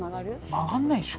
曲がんないでしょ